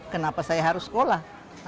kenapa saya harus sekolah